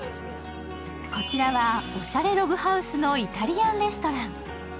こちらはおしゃれログハウスのイタリアンレストラン。